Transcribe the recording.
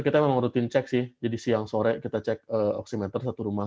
kita memang rutin cek sih jadi siang sore kita cek oksimeter satu rumah